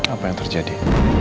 apa yang terjadi